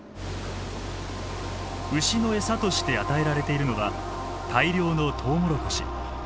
牛のエサとして与えられているのは大量のトウモロコシ。